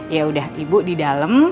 yaudah ibu di dalam